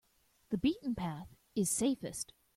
The beaten path is safest.